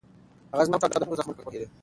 هغه زما په پټو او دردوونکو زخمونو پوهېږي.